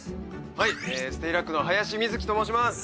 はいステイラックの林瑞貴と申します。